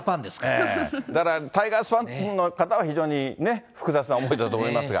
だからタイガースファンの方は、非常に複雑な思いだと思いますが。